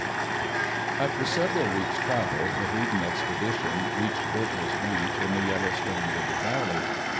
] After several weeks travel, the Hayden expedition reached Boetler's Ranch in the Yellowstone River Valley.